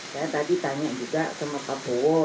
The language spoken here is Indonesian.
saya tadi tanya juga sama pak prabowo